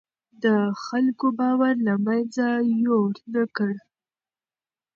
ده د خلکو باور له منځه يووړ نه کړ.